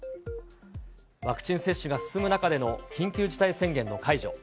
ワクチン接種が進む中での緊急事態宣言の解除。